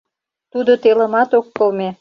Тудо телымат ок кылме.